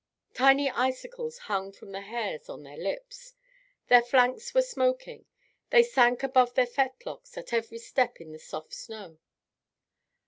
Tiny icicles hung from the hairs on their lips. Their flanks were smoking. They sank above the fetlocks at every step in the soft snow.